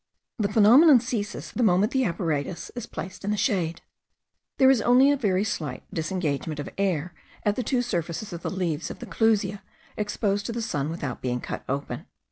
The phenomenon ceases the moment the apparatus is placed in the shade. There is only a very slight disengagement of air at the two surfaces of the leaves of the clusia exposed to the sun without being cut open.